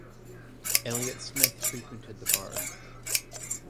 Elliott Smith frequented the bar.